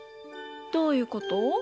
どういうこと？